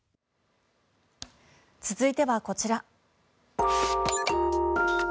続いてはこちら。